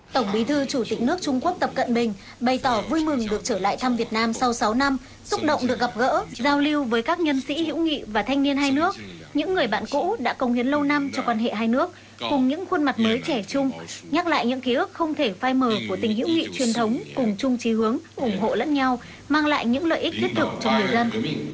tổng bí thư chủ tịch nước trung quốc tập cận bình bày tỏ vui mừng được trở lại thăm việt nam sau sáu năm xúc động được gặp gỡ giao lưu với các nhân sĩ hữu nghị và thanh niên hai nước những người bạn cũ đã công hiến lâu năm cho quan hệ hai nước cùng những khuôn mặt mới trẻ trung nhắc lại những ký ức không thể phai mờ của tình hữu nghị truyền thống cùng chung trí hướng ủng hộ lẫn nhau mang lại những lợi ích thiết thực cho người dân